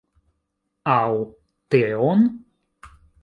Aŭ teon?